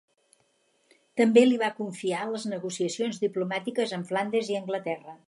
També li va confiar les negociacions diplomàtiques amb Flandes i Anglaterra.